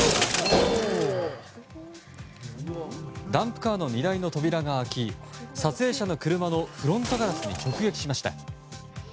ダンプカーの荷台の扉が開き撮影者の車のフロントガラスに直撃しました。